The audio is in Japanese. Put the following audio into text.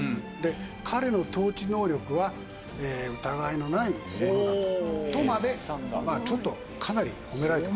彼の統治能力は疑いのないものだと。とまでちょっとかなり褒められてますね。